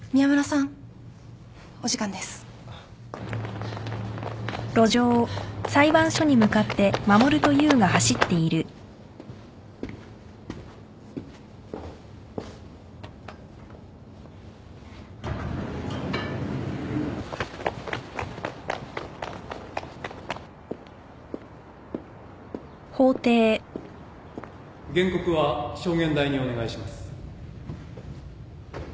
原告は証言台にお願いします。